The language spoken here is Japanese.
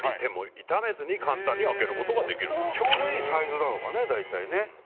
ちょうどいいサイズなのかね。